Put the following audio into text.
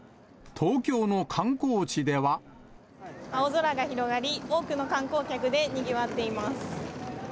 青空が広がり、多くの観光客でにぎわっています。